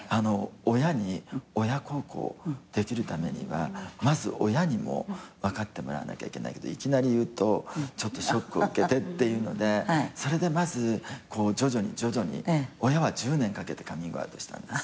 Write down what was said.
親に親孝行できるためにはまず親にも分かってもらわなきゃいけないけどいきなり言うとショックを受けてっていうのでそれでまず徐々に徐々に親は１０年かけてカミングアウトした。